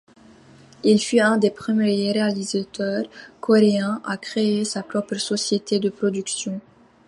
Il fut un des premiers réalisateurs coréens à créer sa propre société de production.